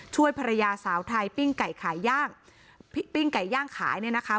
ช่วยภรรยาสาวไทยปิ้งไก่ขายย่างปิ้งไก่ย่างขายเนี่ยนะคะ